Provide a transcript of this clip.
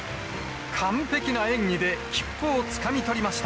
完璧な演技で切符をつかみ取りました。